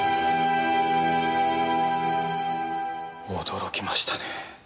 驚きましたね。